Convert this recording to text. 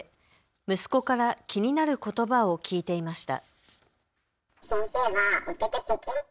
息子から気になることばを聞いていました。